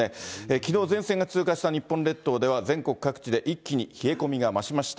きのう、前線が通過した日本列島では、全国各地で一気に冷え込みが増しました。